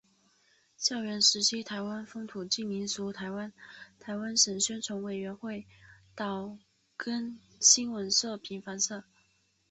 教员时期台湾风土记民俗台湾台湾省宣传委员会岛根新闻社平凡社